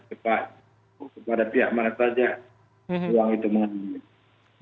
kepada pihak mana saja uang itu muncul